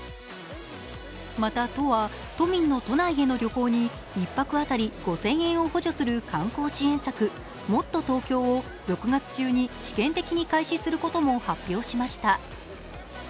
また都は都民の都内への旅行に１泊当たり５０００円を支援する観光支援策、もっとＴｏｋｙｏを６月中に試験的に開始することも発表しました。